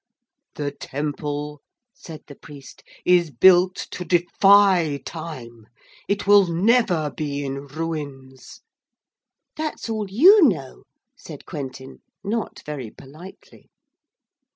'The temple,' said the priest, 'is built to defy time. It will never be in ruins.' 'That's all you know,' said Quentin, not very politely.